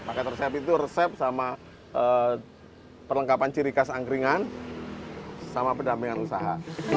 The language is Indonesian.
paket resep itu resep sama perlengkapan ciri khas angkringan sama pendampingan usaha